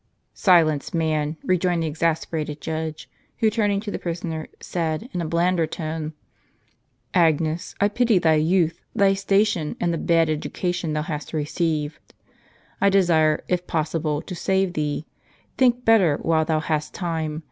"Silence, man!" rejoined tlie exasperated judge, who, turning to the prisoner, said, in a blander tone :" Agnes, I pity thy youth, thy station, and the bad educa tion thou hast received. I desire, if possible, to save thee. Think better while thou hast time.